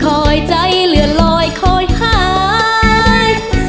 คอยใจเหลือลอยคอยหาย